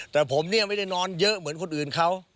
แต่ผมเนี่ยไม่ได้นอนเยอะเหมือนคนอื่นเขา